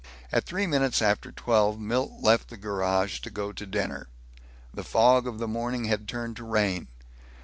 At three minutes after twelve Milt left the garage to go to dinner. The fog of the morning had turned to rain.